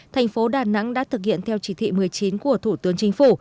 thành phố đà nẵng đã thực hiện theo chỉ thị một mươi chín của thủ tướng chính phủ